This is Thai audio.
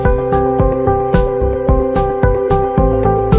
จริงจริงจริงจริงจริงพี่แจ๊คเฮ้ยสวยนะเนี่ยเป็นเล่นไป